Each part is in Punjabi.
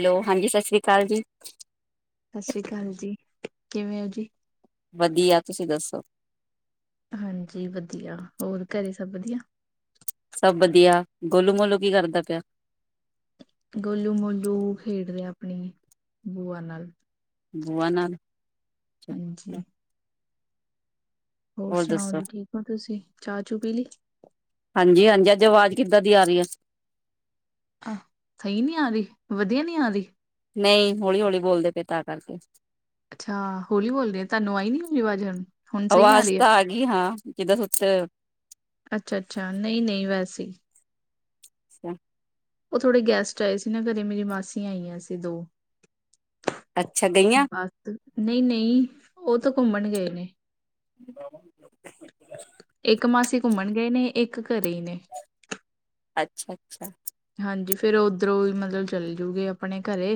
ਹੈਲੋ, ਹਾਂਜੀ ਸਤਿ ਸ਼੍ਰੀ ਕਾਲ ਜੀ। ਸਤਿ ਸ੍ਰੀ ਕਾਲ ਜੀ, ਕਿਵੇਂ ਔ ਜੀ? ਵਧੀਆ, ਤੁਸੀਂ ਦੱਸੋ? ਹਾਂਜੀ, ਵਧੀਆ। ਹੋਰ ਘਰੇ ਸਭ ਵਧੀਆ? ਸਭ ਵਧੀਆ, ਗੋਲੂ-ਮੋਲੂ ਕੀ ਕਰਦਾ ਪਿਆ? ਗੋਲੂ-ਮੋਲੂ ਖੇਡ ਰਿਐ ਆਪਣੀ ਬੂਆ ਨਾਲ। ਬੂਆ ਨਾਲ। ਹਾਂਜੀ। ਹੋਰ ਸੁਣਾਓ ਜੀ, ਠੀਕ ਹੋ ਤੁਸੀਂ? ਚਾ-ਚੂ ਪੀ ਲੀ? ਹਾਂਜੀ ਹਾਂਜੀ, ਅੱਜ ਆਵਾਜ਼ ਕਿੱਦਾਂ ਦੀ ਆ ਰੀ ਐ। ਅ ਸਹੀ ਨੀ ਆ ਰੀ, ਵਧੀਆ ਨੀ ਆਰੀ? ਨਹੀਂ, ਹੌਲੀ-ਹੌਲੀ ਬੋਲਦੇ ਪਏ ਤਾਂ ਕਰਕੇ। ਅੱਛਾ ਹਾਂ, ਹੋਲੀ ਬੋਲਦੀ ਆ ਤੁਹਾਨੂੰ ਆਈ ਨੀ ਮੇਰੀ ਆਵਾਜ਼ ਹੁਣ। ਹੁਣ ਸਹੀ ਆ ਆਵਾਜ਼ ਰਹੀ ਏ? ਤਾਂ ਗਈ ਹਾਂ ਜਿੱਦਾਂ ਸੁੱਤੇ ਅੱਛਾ ਅੱਛਾ, ਨਹੀਂ ਨਹੀਂ ਵੈਸੇ ਹੀ। ਅੱਛਾ। ਔ ਥੋੜੇ ਗੈਸਟ ਆਏ ਸੀ ਨਾ ਘਰੇ, ਮੇਰੀ ਮਾਸੀਆਂ ਆਈਆਂ ਸੀ ਦੋ। ਅੱਛਾ, ਗਈਆਂ? ਆਤ ਨਹੀਂ ਨਹੀਂ, ਓਹ ਤਾਂ ਘੁੰਮਣ ਗਏ ਨੇ। ਜਗਾਵਾਂ ਵੀ ਕਿਓਂ? ਇੱਕ ਮਾਸੀ ਘੁੰਮਣ ਗਏ ਨੇ ਇੱਕ ਘਰੇ ਈ ਨੇ। ਅੱਛਾ, ਅੱਛਾ। ਹਾਂਜੀ ਫੇਰ ਔ ਓਧਰੋਂ ਈ ਮਤਲਬ ਚੱਲ ਜੂਗੇ ਆਪਣੇ ਘਰੇ,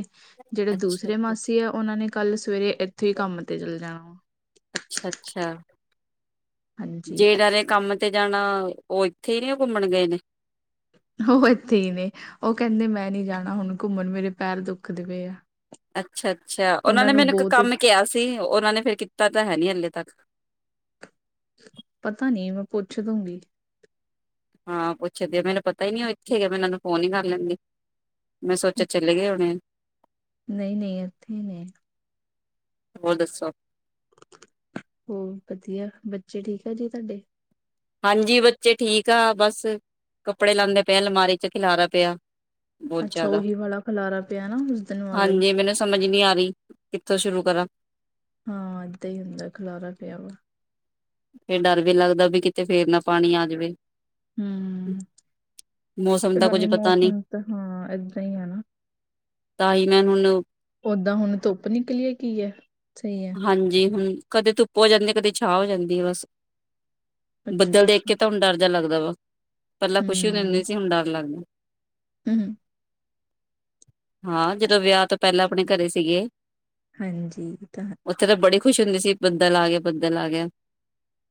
ਜੇੜੇ ਅੱਛਾ ਦੂਸਰੇ ਅੱਛਾ ਮਾਸੀ ਐ ਉਹਨਾਂ ਨੇ ਕੱਲ ਸਵੇਰੇ ਏਥੋਂ ਈ ਕੰਮ ਤੇ ਚੱਲ ਜਾਣਾ ਵਾ। ਅੱਛਾ ਅੱਛਾ, ਹਾਂਜੀ ਜੇ ਦਾ ਦੇ ਕੰਮ ਤੇ ਜਾਣਾ, ਔ ਏਥੇ ਹੀ ਨੇ ਘੁੰਮਣ ਗਏ ਨੇ? ਉਹ ਇੱਥੇ ਹੀ ਨੇ, ਉਹ ਕਹਿੰਦੇ ਮੈਂ ਨੀ, ਜਾਣਾ ਹੁਣ ਘੁੰਮਣ ਮੇਰੇ ਪੈਰ ਦੁੱਖਦੇ ਪਏ ਆ। ਅੱਛਾ ਅੱਛਾ, ਉਹਨਾਂ ਨੇ ਨੂੰ ਮੈਨੂੰ ਇੱਕ ਬਹੁਤ ਕੰਮ ਕਿਹਾ ਸੀ, ਉਹਨਾਂ ਨੇ ਫੇਰ ਕੀਤਾ ਤਾਂ ਹੈ ਨੀ ਹਾਲੇ ਤੱਕ। ਪਤਾ ਨੀ, ਮੈਂ ਪੁੱਛ ਦੂਗੀ। ਹਾਂ ਪੁੱਛਦੇ ਊ, ਮੈਨੂੰ ਪਤਾ ਹੀ ਨੀ ਉਹ ਇੱਥੇ ਐ, ਮੈਂ ਉਹਨਾਂ ਨੂੰ ਫੋਨ ਨੀ ਕਰ ਲੈਂਦੀ। ਮੈਂ ਸੋਚਿਆਂ ਚਲੇਂ ਗਏ ਹੋਣੇ ਐ‌। ਨਈ ਨਈ ਇੱਥੇ ਹੀ ਨੇ। ਹੋਰ ਦੱਸੋਂ? ਹੋਰ ਵਧੀਆ, ਬੱਚੇ ਠੀਕ ਆ ਜੀ ਤੁਹਾਡੇ? ਹਾਂਜੀ, ਬੱਚੇ ਠੀਕ ਆ, ਬਸ ਕੱਪੜੇ ਲਾਉਂਦੇ ਪਏ ਆ ਆਲਮਾਰੀ ਚ ਖਿਲਾਰਾ ਪਿਆ। ਬਹੁਤ ਅੱਛਾ ਜ਼ਿਆਦਾ ਉਹੀ ਵਾਲਾ ਖਲਾਰਾ ਪਿਆ ਨਾ, ਉਸ ਦਿਨ ਵਾਲਾ ਹੀ। ਹਾਂਜੀ ਮੈਨੂੰ ਸਮਝ ਹੀ ਨੀ ਆ ਰਹੀ, ਕਿੱਥੋਂ ਸ਼ੁਰੂ ਕਰਾਂ? ਹਾਂ, ਏਦਾਂ ਹੀ ਹੁੰਦਾ ਐ, ਖੁਲਾਰਾ ਪਿਆ ਵਾ। ਫਿਰ ਡਰ ਵੀ ਲੱਗਦਾ, ਵੀ ਕਿਤੇ ਫੇਰ ਨਾ ਪਾਣੀ ਆ ਜਾਵੇ। ਹੂੰ, ਮੌਸਮ ਦਾ ਕੁੱਝ ਹਲੇ ਪਤਾ ਨੀ ਮੌਸਮ ਤਾਂ ਹਾਂ ਏਦਾਂ ਹੀ ਐ। ਤਾਂਹੀ ਮੈਂ ਹੁਣ ਓਦਾਂ ਹੁਣ ਧੁੱਪ ਨਿਕਲੀ ਐ ਕੀ ਐ ਸਹੀ ਐ। ਹਾਂਜੀ ਹੁਣ ਕਦੇ ਧੁੱਪ ਹੋ ਜਾਂਦੀ, ਕਦੀ ਛਾਂ ਹੋ ਜਾਂਦੀ ਐ ਬਸ। ਅੱਛਾ ਬੱਦਲ ਦੇਖ ਅੱਛਾ ਕੇ ਤਾਂ ਹੁਣ ਡਰ ਜਾ ਲੱਗਦਾ ਵਾ। ਪਹਿਲਾਂ ਖੁਸ਼ੀ ਹੁੰਦੀ ਸੀ, ਹੁਣ ਡਰ ਲੱਗਦਾ। ਹੂ ਹੂ ਹਾਂ, ਜਦੋਂ ਵਿਆਹ ਤੋਂ ਪਹਿਲਾਂ ਆਪਣੇ ਘਰੇ ਸੀਗੇ। ਹਾਂਜੀ, ਇਹ ਤਾਂ ਹੈ। ਉੱਥੇ ਤਾਂ ਬੜੀ ਖੁਸ਼ੀ ਹੁੰਦੀ ਸੀ, ਬੱਦਲ ਆ ਗਿਆ ਬੱਦਲ ਆ ਗਿਆ,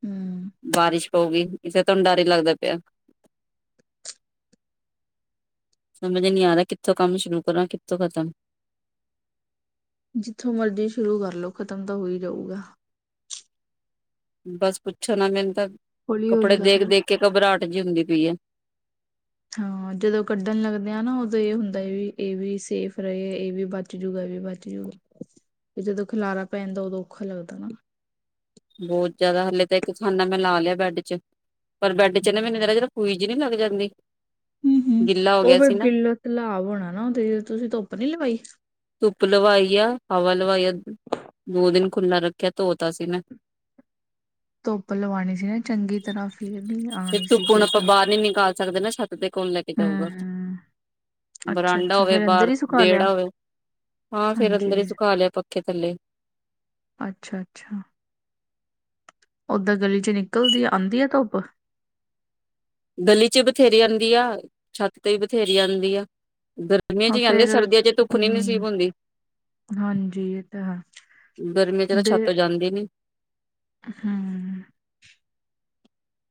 ਹਮ ਬਾਰਿਸ਼ ਪਊਗੀ, ਇਥੇ ਤੇ ਹੁਣ ਡਰ ਹੀ ਲੱਗਦਾ ਪਿਆ। ਸਮਝ ਇ ਨੀ ਆ ਰਿਹਾਂ, ਕਿੱਥੋਂ ਕੰਮ ਸ਼ੁਰੂ ਕਰਾਂ ਕਿੱਥੋਂ ਖ਼ਤਮ। ਜਿੱਥੋਂ ਮਰਜ਼ੀ ਸ਼ੁਰੂ ਕਰਲੋ, ਖਤਮ ਤਾਂ ਹੋਈ ਜਾਊਗਾ। ਬਸ ਪੁੱਛਣ ਨਾ, ਮੈਨੂੰ ਤਾਂ ਹੌਲੀ ਹੌਲੀ ਕੱਪੜੇ ਕਰ ਦੇਖ ਲੋ ਦੇਖ ਕੇ ਘਬਰਾਹਟ ਜਿਹੀ ਹੁੰਦੀ ਪਈ ਐ। ਹਾਂ, ਜਦੋਂ ਕੱਢਣ ਲੱਗਦੇ ਆ ਨਾ, ਉਦੋਂ ਇਹ ਹੁੰਦਾ ਐ ਵੀ ਇਹ ਵੀ ਸੇਫ ਰਹੇ, ਇਹ ਵੀ ਬਚ ਬਚ ਜੂਗਾ ਇਹ ਵੀ ਬੱਚ ਜੂਗਾ, ਫਿਰ ਜਦੋਂ ਖਿਲਾਰਾ ਪੈੈਂਦਾ ਉਦੋਂ ਔਖਾ ਲੱਗਦਾ ਨਾ। ਬਹੁਤ ਜ਼ਿਆਦਾ, ਹਾਲੇ ਤਾਂ ਇੱਕ ਖਾਨਾ ਮੈਂ ਲਾ ਲਿਆ ਬੈਡ ਚ। ਪਰ ਬੈਡ ਚ ਨਾ ਮੈਂਨੂੰ ਜ਼ਰਾ ਜ਼ਰਾ ਫੁਈ ਜੀ ਨਹੀਂ ਲੱਗ ਜਾਂਦੀ। ਹੂ ਹੂ, ਗਿੱਲਾ ਹੋ ਉਹ ਗਿਆ ਫੇ ਸੀ ਨਾ ਗਿੱਲਤ ਸਲਾਬ ਹੋਣਾ ਨਾ ਉਹਦੇ, ਤੁਸੀਂ ਧੁੱਪ ਨੀ ਲਵਾਈ? ਧੁੱਪ ਲਵਾਈ ਆ, ਹਵਾ ਲਵਾਈ ਆ, ਦੋ ਦਿਨ ਖੁੱਲਾ ਰੱਖਿਆ, ਧੋਤਾ ਸੀ ਮੈਂ। ਧੁੱਪ ਲਵਾਉਣੀ ਸੀ ਨਾ ਚੰਗੀ ਤਰ੍ਹਾਂ, ਫੇਰ ਨੀ ਆਉਣੀ ਸੀ ਕਿਟਾ। ਪਾਨੀ ਨਿਕਾਲ ਸਕਦੇ ਨਾ, ਛੱਤ ਤੇ ਕੌਣ ਲੈ ਕੇ ਜਾਊਗਾ, ਹਮ ਅੱਛਾ ਬਰਾਂਡਾ ਅੱਛਾ ਹੋਵੇ ਫੇਰ ਅੰਦਰ ਬਾਹਰ ਹੀ ਸੁਕਾ ਲਿਆ ਵੇੜਾ ਹੋਵੇ। ਹਾਂ ਫੇਰ ਹਾਂਜੀ, ਅੰਦਰ ਹੀ ਸੁਖਾ ਲੇ, ਪੱਖੇ ਥੱਲੇ। ਅੱਛਾ ਅੱਛਾ। ਓਧਰ ਗਲੀ ਚ ਨਿਕਲਦੀ ਐ, ਆਉਂਦੀ ਆ ਧੁੱਪ? ਗਲੀ ਚ ਬਥੇਰੀ ਆਦੀ ਆ, ਛੱਤ ਤੇ ਵੀ ਬਥੇਰੀ ਆਂਦੀ ਆ, ਧਰ ਗਰਮੀਆਂ ਚ ਹਾਂ, ਹੀ ਆਂਦੀ ਐ, ਫੇਰ ਸਰਦੀਆਂ ਚ ਧੁੱਪ ਨੀ ਹੂੰ, ਨਸੀਬ ਹੁੰਦੀ। ਹਾਂਜੀ ਇਹ ਤਾਂ ਹੈ, ਗਰਮੀ ਚ ਤਾਂ ਛੱਤ ਤੋ ਜਾਂਦੀ ਨੀ। ਹਾਂ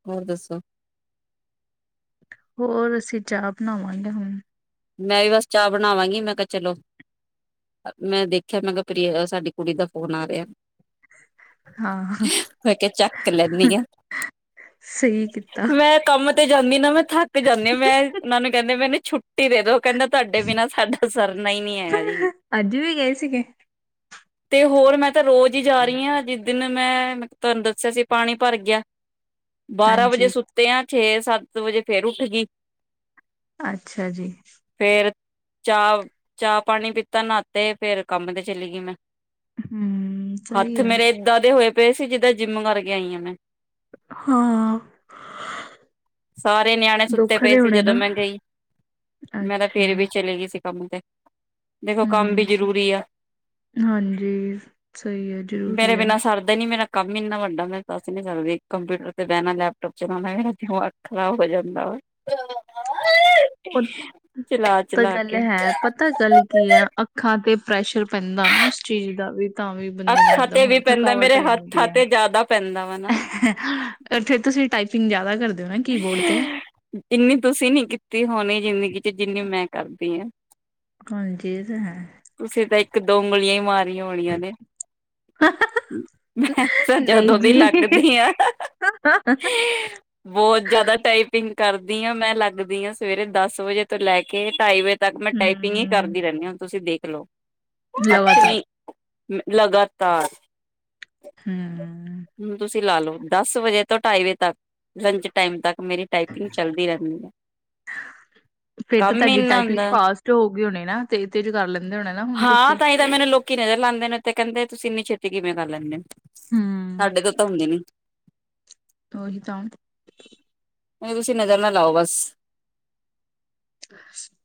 ਹੋਰ ਦੱਸੋਂ? ਹੋਰ ਅਸੀਂ ਚਾਹ ਬਣਾਵਾਂਗੇ ਹੁਣ। ਮੈਂ ਵੀ ਬਸ ਚਾਹ ਬਣਾਵਾਂਗੀ, ਮੈਂ ਕਿਹਾ ਚਲੋਂ ਮੈਂ ਦੇਖਿਆ ਮੈਂ ਕਿਹਾ ਪ੍ਰ ਸਾਡੀ ਕੁੜੀ ਦਾ ਫੋਨ ਆ ਰਿਆ। ਹਾਂ, ਮੈਂ ਕਿਹਾ ਚੱਕ ਲੈਂਨੀਂ ਆ, ਸਹੀ ਕੀਤਾ। ਮੈਂ ਕੰਮ ਤੇ ਜਾਂਨੀ ਨਾ, ਮੈਂ ਥੱਕ ਜਾਂਨੀ, ਮੈਂ ਉਹਨਾਂ ਨੂੰ ਕਹਿੰਦੀ ਮੈਨੂੰ ਛੁੱਟੀ ਦੇ ਦੋ, ਉਹ ਕਹਿੰਦੇ ਤੂਹਾਡੇ ਬਿਨਾਂ ਸਾਡਾ ਸਰਨਾ ਹੀ ਨੀ ਹੈਗਾ ਜੀ। ਅੱਜ ਵੀ ਗਏ ਸੀਗੇ? ਤੇ ਹੋਰ ਮੈ ਤਾਂ ਰੋਜ਼ ਹੀ ਜਾ ਰਹੀ ਹਾਂ ਜਿ- ਦਿਨ ਮੈਂ ਤੁਹਾਨੂੰ ਦੱਸਿਆ ਸੀ ਪਾਣੀ ਭਰ ਗਿਆ, ਬਾਰਾਂ ਵਜੇ ਹਾਂਜੀ, ਸੁੱ- ਤੇ ਆ ਛੇ ਸੱਤ ਵਜੇ ਫੇਰ ਉੱਠ ਗਈ। ਅਛਾ ਜੀ- ਫੇਰ ਚਾਹ- ਚਾਹ ਪਾਣੀ ਪੀਤਾ ਨਹਾਤੇ ਫੇਰ ਕੰਮ ਤੇ ਚਲੀ ਗਈ ਮੈ- ਹੂੰ, ਸਹੀ ਹੱਥ ਆ, ਮੇਰੇ ਏਦਾਂ ਦੇ ਹੋਏ ਪਏ ਸੀ ਜਿੱਦਾਂ ਜਿੰਮ ਕਰਕੇ ਆਈ ਹਾਂ ਮੈ- ਹਾਂ- ਸਾਰੇ ਨਿਆਣੇ ਸੁੱਤੇ ਪਏ ਦੁੱਖਦੇ ਸੀ ਹੋਣੇ ਜਦੋ ਨਾ, ਮੈਂ ਗਈ। ਮੈ ਤਾਂ ਫੇਰ ਅੱਛਾ, ਵੀ ਚਲੀ ਗਈ ਸੀ ਕਮ ਤੇ, ਦੇਖੋ ਕਮ ਵੀ ਹੂੰ, ਜ਼ਰੂਰੀ ਆ। ਹਾਂਜੀ ਸਹੀ ਹੈ। ਜ਼ਰੂਰੀ ਹੈ। ਬਿਨਾ ਸਰਦਾ ਨੀ, ਮੇਰਾ ਕਮ ਹੀ ਇਨਾ ਵਡਾ ਮੈ ਦੱਸ ਨੀ ਸਕਦੀ ਕੰਪਿਊਟਰ ਤੇ ਬਹਿਣਾ ਲੈਪਟੋਪ ਚਲਾਉਣਾ ਮੇਰਾ ਦਿਮਾਗ- ਖਰਾਬ ਹੋ ਜਾਂਦਾ ਵਾ- ਹੋਰ ਤਾਂ ਚਲਾ-ਚਲਾ ਗੱਲ ਕੇ। ਹੈ। ਪਤਾ ਗੱਲ ਕੀ ਆ ਅੱਖਾਂ ਤੇ ਪ੍ਰੈਸ਼ਰ ਪੈਂਦਾ ਨਾ ਉਸ ਚੀਜ ਦਾ ਵੀ। ਤਾਂ ਵੀ ਬੰਦੇ ਨੂੰ ਅੱਖਾਂ ਏਦਾਂ ਤੇ ਵੀ ਹੋਏ ਪੈਂਦਾ ਥਕਾਵਟ ਮੇਰੇ ਹੱਥਾਂ ਤੇ ਜਿਆਦਾ ਪੈਂਦਾ ਵਾ ਨਾ- ਹਾ ਓਥੇ ਤੁਸੀ ਟਾਈਪਿੰਗ ਜਿਆਦਾ ਕਰਦੇ ਓ ਨਾ ਕੀਬੋਰਡ ਤੇ। ਇੰਨੀ ਤੁਸੀ ਨੀ ਕੀਤੀ ਹੋਣੀ ਜ਼ਿੰਦਗੀ 'ਚ ਜਿੰਨੀ ਮੈ ਕਰਦੀ ਆਂ। ਹਾਂਜੀ ਏ ਤਾ ਹੈ। ਤੁਸੀ ਤਾ ਇਕ ਦੋ ਉਗਲੀਆਂ ਈ ਮਾਰੀਆਂ ਹੋਣੀਆਂ ਨੇ। ਮੈਂ ਤਾ ਨਹੀਂ ਜਦੋਂ ਦੀ ਜੀ ਲੱਗਦੀ ਆਂ ਹ ਬੌਤ ਜਿਆਦਾ ਟਾਈਪਿੰਗ ਕਰਦੀ ਆਂ ਮੈ ਲਗਦੀ ਆਂ ਸਵੇਰੇ ਦਸ ਵਜੇ ਤੋਂ ਲੈ ਕੇ ਢਾਈ ਵਜੇ ਤੱਕ ਮੈ ਟਾਈਪਿੰਗ ਈ ਹਮ ਕਰਦੀ ਰੈਨੀ ਆਂ ਹੁਣ ਤੁਸੀ ਦੇਖ ਲੋ ਹੱਥ ਲਗਾਤਾਰ ਨਹੀ ਲਗਾਤਾਰ। ਹੂੰ ਹੁਨ ਤੁਸੀ ਲਾ ਲੋੋ ਦਸ ਵਜੇ ਤੋ ਢਾਈ ਵਜੇ ਤੱਕ ਲੰਚ ਟਾਈਮ ਤੱਕ ਮੇਰੀ ਟਾਈਪਿੰਗ ਚਲਦੀ ਰਹਿੰਦੀ ਆ ਫਿਰ ਤਾਂ ਕੰਮ ਈ ਤੁਹਾਡੀ ਇੰਨਾ ਟਾਈਪਿੰਗ ਹੁੰਦਾ ਫਾਸਟ ਹੋ ਗਏ ਹੋਣੇ ਨਾ ਤੇ ਤੇਰੇ ਕਰ ਲੈਂਦੇ ਹੋਣੇ ਨਾ ਹੁਣ ਹਾਂ, ਤੁਸੀਂ ਤਾਂਈ ਤਾਂ ਮੈਨੂੰ ਲੋਕੀ ਨਜਰ ਲਾਂਦੇ ਨੇ ਤੇ ਕੈਂਦੇ ਤੁਸੀ ਏਨੀ ਛੇਤੀ ਕਿਵੇ ਕਰ ਲੈਨੇ ਓ। ਹਮ ਸਾਡੇ ਤੋ ਤਾ ਹੁੰਦੀ ਨੀ। ਓਹੀ ਤਾਂ ਓਂ ਤੁਸੀਂ ਨਜ਼ਰ ਨਾ ਲਾਓ ਬਸ।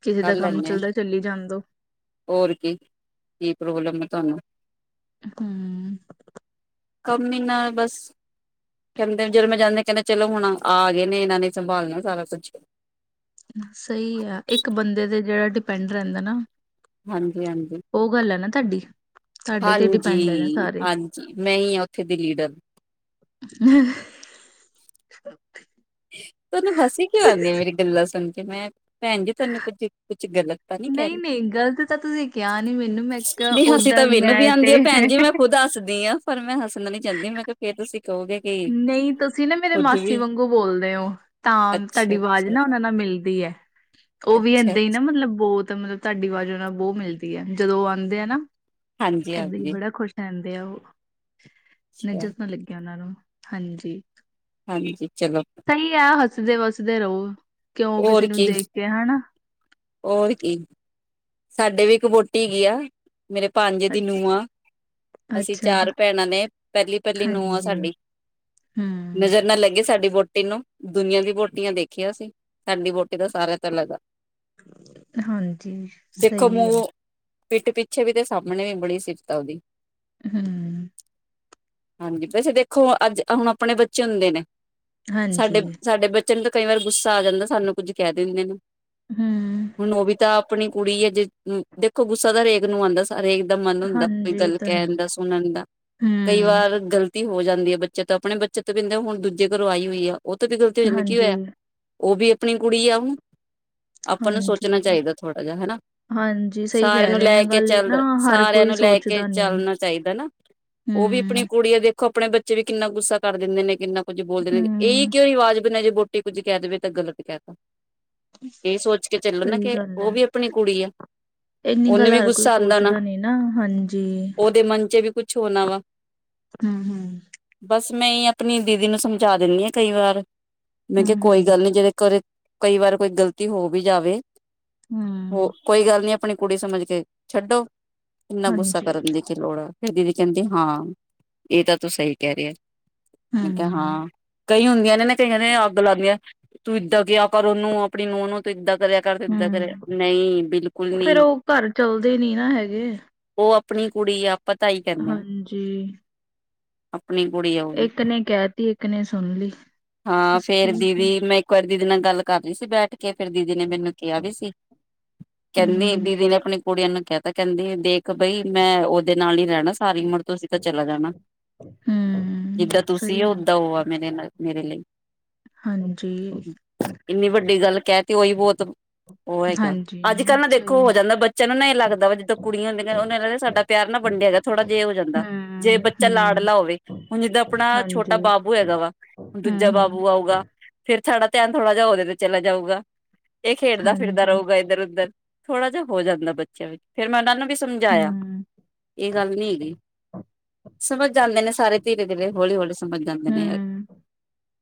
ਕਿਸੇ ਕਰ ਦਾ ਕੰਮ ਲੈਂਦੇ ਆ ਚੱਲਦੈ ਚੱਲੀ ਜਾਣ ਦੋ। ਹੋਰ ਕੀ, ਕੀ ਪ੍ਰੋਬਲਮ ਐ ਤਾਨੂੰ ਹੂੰ ਕਮ ਇ ਨਾ ਬਸ ਕੈਂਦੇ ਜਦੋ ਮੈ ਜਾਂਦੀ ਕੈਂਦੇ ਚਲੋ ਹੁਣ ਆ ਗਏ ਨੇ ਇਨਾ ਨੇ ਸੰਭਾਲਣਆ ਸਾਰਾ ਕੁੱਛ। ਸਈ ਆ ਏਕ ਬੰਦੇ ਦੇ ਜਿਹੜਾ ਡਿਪੈਂਡ ਰੈਂਦਾ ਨਾ ਹਾਂਜੀ- ਹਾਂਜੀ। ਓ ਗੱਲ ਐ ਨਾ ਥਾਡੀ। ਹਾਂਜੀ- ਹਾਂਜੀ ਮੈਂ ਈ ਆਂ ਉਥੇ ਦੀ ਲੀਡਰ। ਹ [unintelligible] [inaudible] ਤਾਨੂੰ ਹਸੀ ਕਿਉ ਆਂਦੀ ਆ ਮੇਰੀ ਗੱਲਾਂ ਸੁਣ ਕੇ ਮੈ ਭੈਣ ਜੀ, ਤਾਨੂੰ ਕੁੱਝ ਕੁਛ ਗਲਤ ਤਾਂ ਨੀ ਕੈ ਨਹੀਂ ਰੀ। ਨਹੀਂ ਗਲਤ ਤਾਂ ਤੁਸੀਂ ਕਿਹਾ ਨਹੀਂ ਮੈਨੂੰ ਮੈਂ ਕਿਹਾ ਨੀ ਹਸੀ ਤਾ ਓਦਾਂ ਮੈਨੂੰ ਵੀ ਮੈਂ ਤੇ ਆਉਦੀ ਆ ਭੈਣ ਜੀ ਮੈ ਖੁਦ ਹੱਸਦੀ ਆਂ। ਪਰ ਮੈ ਹੱਸਣਾ ਨੀ ਚਾਂਦੀ ਮੈ ਕਿਆ ਫੇਰ ਤੁਸੀ ਕਓਗੇ ਨਈ ਤੁਸੀ ਨਾ ਮੇਰੇ ਮਾਸੀ ਵਾਂਗੂ ਬੋਲਦੇ ਔ। ਤਾਂ ਅੱਛਾ ਤਾਡੀ ਵਾਜ਼ ਅੱਛਾ ਅੱਛਾ ਨਾ ਓਨਾ ਨਾਲ ਮਿਲਦੀ ਐ ਓ ਵੀ ਅੱਛਾ, ਇੱਦਾਂ ਈ ਨਾ ਮਤਲਬ ਬੌਤ ਮਤਲ ਤਾਡੀ ਵਾਜ਼ ਓਨਾ ਨਾਲ ਬੌ ਮਿਲਦੀ ਐ ਜਦੋਂ ਓ ਆਂਦੇ ਆ ਨਾ ਹਾਂਜੀ ਏਦਾਂ ਈ ਹਾਂਜੀ ਬੜਾ ਖੁਸ਼ ਰੈਂਦੇ ਆ ਓਹ ਅੱਛਾ ਨਜਤ ਨਾ ਲੱਗੇ ਓਨਾਂ ਨੂੰ ਹਾਂਜੀ। ਹਾਂਜੀ ਚਲੋ। ਸਈ ਆ, ਹੱਸਦੇ ਵੱਸਦੇ ਰਹੋ ਕਿਉਂ ਕਿਸੇ ਨੂੰ ਦੇਖ ਕੇ ਹਨਾ। ਔਰ ਕੀ ਸਾਡੇ ਵੀ ਇੱਕ ਵੋਟੀ ਹੈਗੀ ਆ, ਮੇਰੇ ਭਾਂਜੇ ਦੀ ਨੂੰਹ ਆ। ਅਸੀਂ ਅੱਛਾ ਜੀ। ਚਾਰ ਭੈਣਾਂ ਨੇ ਪੈਲ਼ੀ ਪੈਲ਼ੀ ਨੂੰਹ ਆ ਹਾਂਜੀ, ਸਾਡੀ। ਹੂੰ, ਨਜ਼ਰ ਨਾ ਲੱਗੇ ਸਾਡੀ ਵੋਟੀ ਨੂੰ। ਦੁਨੀਆਂ ਦੀ ਵੋਟੀਆਂ ਦੇਖੀਆਂ ਅਸੀਂ ਸਾਡੀ ਵੋਟੀ ਤਾ ਸਾਰਿਆ ਤੋ ਲੱਗ ਆ। ਹਾਂਜੀ ਦੇਖੋ ਸਹੀ ਹੈ। ਮੂੰਔ ਪਿੱਟ ਪਿੱਛੇ ਵੀ ਤੇ ਸਾਮਣੇ ਵੀ ਬੜੀ ਸਿਫ਼ਤ ਆ ਓਦੀ। ਹੂੰ ਹਾਂਜੀ, ਵੈਸੇ ਦੇਖੋ ਅੱਜ ਹੁਣ ਆਪਣੇ ਬੱਚੇ ਹੁੰਦੇ ਨੇ, ਹਾਂਜੀ, ਸਾਡੇ ਸਾਡੇ ਬੱਚੇ ਨੂੰ ਤਾਂ ਕਈ ਵਾਰ ਗੁੱਸਾ ਆ ਜਾਂਦਾ, ਸਾਨੂੰ ਕੁੱਝ ਕਹਿ ਦਿੰਦੇ ਨੇ। ਹੂੰ, ਹੁਣ ਉਹ ਵੀ ਤਾਂ ਆਪਣੀ ਕੁੜੀ ਹੈ, ਜੇ ਦੇਖੋ ਗੁੱਸਾ ਦਾ ਹਰੇਕ ਨੂੰ ਆਉਂਦਾ। ਹਰੇਕ ਦਾ ਮਨ ਹੁੰਦਾ ਕੋਈ ਹਾਂਜੀ ਇਹ ਗੱਲ ਤਾਂ ਹੈ। ਕਹਿਣ ਦਾ ਸੁਣਨ ਦਾ ਕਈ ਹੂੰ, ਵਾਰ ਗਲਤੀ। ਗਲਤੀ ਹੋ ਜਾਂਦੀ ਆ, ਬੱਚੇ ਤੋਂ ਆਪਣੇ ਬੱਚੇ ਤੋਂ ਵੀ ਹੋ ਜਾਂਦੀ ਹੁਣ ਦੂਜੇ ਘਰੋਂ ਆਈ ਹੋਈ ਆ, ਉਹ ਤੋਂ ਵੀ ਗਲਤੀ ਹੋ ਜਾਂਦੀ ਕੀ ਹਾਂਜੀ, ਹੋਇਆ? ਉਹ ਵੀ ਆਪਣੀ ਕੁੜੀਆ ਹੁਣ ਆਪਾਂ ਨੂੰ ਸੋਚਣਾ ਹਾਂਜੀ। ਚਾਹੀਦਾ ਥੋੜਾ ਜਿ ਹਨਾ। ਹਾਂਜੀ ਸਹੀ ਸਾਰਿਆਂ ਕਹਿ ਨੂੰ ਰਹੇ ਹੋ ਲੈ ਇਹ ਕੇ ਗੱਲ ਨਾ ਚੱਲ ਹਰ ਸਾਰਿਆਂ ਕੋਈ ਨੂੰ ਲੈ ਕੇ ਸੋਚਦਾ ਨਹੀਂ। ਚੱਲਣਾ ਚਾਹੀਦਾ ਨਾ। ਉਹ ਵੀ ਆਪਣੀ ਹੂੰ, ਕੁੜੀ ਆ, ਦੇਖੋ ਆਪਣੇ ਬੱਚੇ ਵੀ ਕਿੰਨਾ ਗੁੱਸਾ ਕਰ ਦਿੰਦੇ ਨੇ, ਕਿੰਨਾ ਕੁੱਝ ਬੋਲ ਦਿੰਦੇ ਨੇ ਇਹੀ। ਹੂੰ, ਕਿਉਂ ਆਵਾਜ਼ ਬਣਿਆ ਜੇ ਵੋਹਟੀ ਕੁੱਝ ਕਹਿ ਦੇਵੇ, ਤਾਂ ਗਲਤ ਕਹਿ ਤੇ ਇਹ ਸੋਚ ਕੇ ਚੱਲਣ ਨਾ ਸਹੀ ਕਿ। ਗੱਲ ਉਹ ਹੈ। ਵੀ ਆਪਣੀ ਕੁੜੀ ਆ। ਇੰਨੀ ਉਹਨੂੰ ਗੱਲ ਵੀ ਹਰ ਕੋਈ ਗੁੱਸਾ ਆਉਂਦਾ ਨਾ ਸੋਚਦਾ ਨੀ ਹਾਂਜੀ, ਉਹਦੇ ਮਨ ਵਿੱਚ ਵੀ ਕੁਛ ਹੋਣਾ ਵਾ। ਹੂੰ ਹੂੰ ਬਸ, ਮੈਂ ਐਹੀ ਆਪਣੀ ਦੀਦੀ ਨੂੰ ਸਮਝਾ ਦਿੰਦੀ ਹਾਂ ਕਈ ਵਾਰ। ਮੈਂ ਕਿਹਾ ਹੂੰ, ਕੋਈ ਹੂੰ। ਗੱਲ ਨੀ ਜਿਦੇ ਘਰੇ ਕਈ ਵਾਰ, ਕੋਈ ਗ਼ਲਤੀ ਹੋ ਵੀ ਜਾਵੇ। ਹੋ ਹੂੰ, ਕੋਈ ਗੱਲ ਨੀ, ਆਪਣੀ ਕੁੜੀ ਸਮਝ ਕੇ ਛੱਡੋ, ਇੰਨਾ ਗੁੱਸਾ ਹਾਂਜੀ, ਕਰਨ ਦੀ। ਲੋੜ ਆ ਫਿਰ ਦੀਦੀ ਕਹਿੰਦੀ ਹਾਂ, ਇਹ ਤਾਂ ਤੂੰ ਸਹੀ ਕਹਿ ਰਹੀ ਆ। ਮੈਂ ਕਿਹਾ ਹੂੰ, ਹਾਂ ਕਈ ਹੁੰਦੀਆਂ ਨੇ, ਕਈਆਂ ਨੇ ਅੱਗ ਲੱਗਦੀਆਂ ਤੂੰ ਇਦਾਂ ਕਿਹਾ ਕਰ ਉਹਨੂੰ ਆਪਣੀ ਨੂੰਹ ਨੂੰ ਤੇ ਇਦਾਂ ਕਰਿਆ। ਕਰ ਦੀਤਾ ਕਰੇ ਹੂੰ। ਨਹੀਂ ਬਿਲਕੁਲ ਫੇਰ ਨਹੀਂ। ਉਹ ਘਰ ਚਲਦੇ ਨੀ ਨਾ ਹੈਗੇ ਉਹ ਆਪਣੀ ਕੁੜੀ ਆ ਆਪਾਂ ਤਾਂ ਆਹੀ ਕਹਿੰਦੇ ਆ। ਹਾਂਜੀ। ਆਪਣੀ ਕੁੜੀ ਆ ਉਹ ਵੀ ਇੱਕ ਨੇ ਕਹਿ ਤੀ ਇੱਕ ਨੇ ਸੁਣ ਲਈ। ਹਾਂ ਬਸ ਫੇਰ ਠੀਕ ਹੈ ਦੀਦੀ, ਮੈਂ ਇੱਕ ਵਾਰੀ ਦੀਦੀ ਨਾਲ ਗੱਲ ਕਰ ਰਹੀ ਸੀ ਬੈਠ ਕੇ, ਕੇ ਫਿਰ ਦੀਦੀ ਨੇ ਮੈਨੂੰ ਕਿਹਾ ਵੀ ਸੀ। ਕਹਿੰਦੀ ਹਮ ਦੀਦੀ ਨੇ ਆਪਣੀ। ਕੁੜੀਆਂ ਨੂੰ ਕਹਿਤਾ ਕਹਿੰਦੀ ਦੇਖ ਬਈ ਮੈਂ ਉਹਦੇ ਨਾਲ ਹੀ ਰਹਿਣਾ ਸਾਰੀ ਉਮਰ ਤੁਸੀਂ ਤਾਂ ਚਲਾ ਜਾਣਾ। ਹਮ ਜਿੱਦਾਂ ਤੁਸੀਂ ਸਹੀ ਓਦਾਂ ਉਹ ਆ ਮੇਰੇ ਨਾਲ ਮੇਰੇ ਲਈ। ਹਾਂਜੀ ਇੰਨੀ ਵੱਡੀ ਗੱਲ ਕਹਿਤੀ ਉਹੀ ਬਹੁਤ ਉਹ ਹੈਗਾ। ਹਾਂਜੀ ਅੱਜ ਕੱਲ੍ਹ ਨਾ ਸਹੀ ਦੇਖੋ ਹੋ ਜਾਂਦਾ ਬੱਚਿਆਂ ਨੂੰ ਨਾ ਇਹ ਲੱਗਦਾ ਵਾ ਜਦੋਂ ਕੁੜੀਆਂ ਹੁੰਦੀਆਂ ਉਹਨੂੰ ਲੱਗਦਾ ਸਾਡਾ ਪਿਆਰ ਨਾ ਵੰਡਿਆ। ਥੋੜਾ ਜਿ ਹੋ ਜਾਂਦਾ ਜੇ ਹਮ ਬੱਚਾ ਹਮ ਲਾਡਲਾ ਹੋਵੇ ਹੁਣ ਜਿੱਦਾਂ ਆਪਣਾ ਛੋਟਾ ਹਾਂਜੀ ਬਾਬੂ ਹੈਗਾ ਵਾਂ। ਦੂਜਾ ਹਮ ਹਮ ਬਾਬੂ ਆਊਗਾ ਫੇਰ ਸਾਡਾ ਧਿਆਨ ਥੋੜ੍ਹਾ ਜਹਾ ਉਹਦੇ ਤੇ ਚਲਾ ਜਾਊਗਾ ਇਹ ਖੇਡਦਾ ਫਿਰਦਾ ਹਾਂਜੀ ਰਹੂਗਾ ਇੱਧਰ ਉੱਧਰ ਥੋੜਾ ਜਿਹਾ ਹੋ ਜਾਂਦਾ ਬੱਚਿਆਂ ਵਿੱਚ ਫਿਰ ਮੈਂ ਉਹਨਾਂ ਨੂੰ, ਵੀ ਸਮਝਾਇਆਂ ਹਮ ਇਹ ਗੱਲ ਨੀ ਹੈਗੀ। ਸਮਝ ਜਾਂਦੇ ਨੇ ਸਾਰੇ ਧੀਰੇ ਧੀਰੇ ਹੌਲੀ ਹੌਲੀ ਸਮਝ ਜਾਂਦੇ ਨੇ, ਹਮ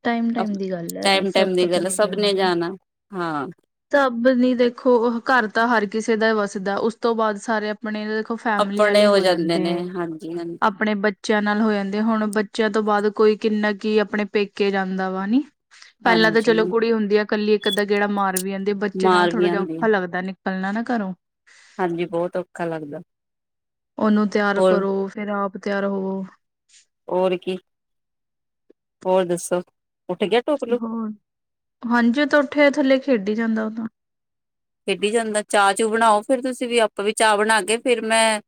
ਟਾਈਮ ਟਾਈਮ ਦੀ ਗੱਲ ਹੈ ਟਾਈਮ ਸਭ ਟਾਈਮ ਦੀ ਪਤਾ ਗੱਲ ਲੱਗ ਸਭ ਨੇ ਜਾਂਦਾ ਜਾਣਾ, ਹਾਂ ਸਭ ਨੀ ਦੇਖੋ ਘਰ ਤਾਂ ਹਰ ਕਿਸੇ ਦਾ ਹੀ ਵਸਦਾ, ਉਸ ਤੋਂ ਬਾਅਦ ਸਾਰੇ। ਆਪਣੇ ਦੇਖੋ ਫੈਮਲੀ ਆਪਣੇ ਵਾਲੇ ਹੋ ਜਾਂਦੇ ਨੇ ਆ, ਹਾਂਜੀ ਹਾਂਜੀ ਆਪਣੇ ਬੱਚੇ ਬੱਚਿਆਂ ਨਾਲ ਹੋ ਜਾਂਦੇ, ਹੁਣ ਬੱਚਿਆਂ ਤੋਂ ਬਾਅਦ ਕੋਈ ਕਿੰਨਾ ਕੀ ਆਪਣੇ ਪੇਕੇ ਜਾਂਦਾ ਵਾ। ਪਹਿਲਾਂ ਤਾਂ ਚਲੋ ਹਾਂਜੀ ਕੁੜੀ ਹੁੰਦੀ ਆ। ਇਕੱਲੀ ਇੱਕ ਅੱਧਾ ਗੇੜਾ ਮਾਰ ਵੀ ਜਾਂਦੀ ਹੈ, ਬੱਚੇ ਨਾਲ ਮਾਰ ਵੀ ਥੋੜ੍ਹਾ ਜਿਹਾ ਆਉਂਦੀ ਆ ਔਖਾ ਲੱਗਦਾ ਪਲਣਾ ਨਾ ਕਰੋ। ਹਾਂਜੀ, ਬਹੁਤ ਔਖਾ ਲੱਗਦਾ। ਉਹਨੂੰ ਤਿਆਰ ਹੋਰ ਕਰੋ, ਫਿਰ ਆਪ ਤਿਆਰ ਹੋਵੋ, ਹੋਰ ਕੀ। ਹੋਰ ਦੱਸੋ। ਉੱਠ ਗਿਆ ਟੋਕਲੂ ਹੋਰ ਹਾਂਜੀ ਉਹ ਤਾਂ ਉੱਠਿਆ ਥੱਲੇ ਖੇਡੀ ਜਾਂਦਾ ਉਹ ਤਾਂ। ਖੇਡੀ ਜਾਂਦਾ ਚਾਹ, ਚੂ ਬਣਾਓ ਫੇਰ ਤੁਸੀਂ ਵੀ ਆਪਾਂ ਵੀ ਚਾਹ ਬਣਾ ਕੇ ਫੇਰ ਮੈਂ।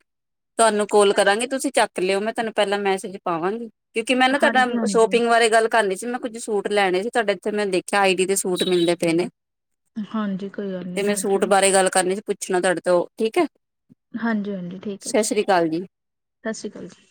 ਤੁਹਾਨੂੰ ਕਾਲ ਕਰਾਂਗੇ ਤੁਸੀਂ ਚੱਕ ਲਿਓ ਮੈਂ, ਤੁਹਾਨੂੰ ਪਹਿਲਾਂ ਮੈਸੇਜ ਪਾਵਾਂਗੀ। ਕਿਉਂਕਿ, ਮੈਂ ਨਾ ਤੁਹਾਡਾ ਹਾਂਜੀ ਹਾਂਜੀ ਸ਼ੋਪਿੰਗ ਬਾਰੇ ਗੱਲ। ਕਰਨੀ ਸੀ। ਮੈਂ ਕੁੱਝ ਸੂਟ ਲੈਣੇ ਸੀ। ਤੁਹਾਡੇ ਇੱਥੇ ਮੈਂ ਦੇਖਿਆ ਆਈ ਡੀ ਦੇ ਸੂਟ ਮਿਲਦੇ ਪਏ ਨੇ। ਹਾਂਜੀ। ਕੋਈ ਗੱਲ ਤੇ, ਨੀ ਮੈਂ ਹਾਂਜੀ ਸੂਟ ਬਾਰੇ ਗੱਲ ਕਰਨੀ ਸੀ ਪੁੱਛਣਾ ਤੁਹਾਡੇ ਤੋਂ ਠੀਕ ਹੈ। ਹਾਂਜੀ-ਹਾਂਜੀ ਠੀਕ ਹੈ ਸਤਿ ਜੀ, ਸ੍ਰੀ ਅਕਾਲ ਜੀ ਸਤਿ ਸ਼੍ਰੀ ਅਕਾਲ ਜੀ।